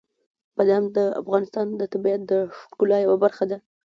بادام د افغانستان د طبیعت د ښکلا یوه برخه ده.